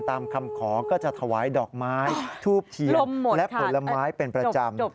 ตามคำขอก็จะถวายดอกไม้ทูบเทียนและผลไม้เป็นประจำ